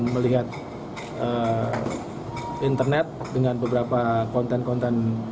melihat internet dengan beberapa konten konten